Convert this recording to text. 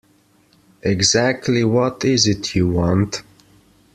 Exactly what is it you want?